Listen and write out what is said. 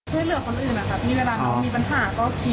ใช้เหลือคนอื่นอะครับมีกรางมีปัญหาก็เคลียร์ให้น้องอะไรอย่างเงี้ย